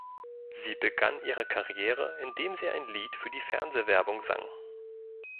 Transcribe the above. Sie begann ihre Karriere, indem sie ein Lied für die Fernsehwerbung sang.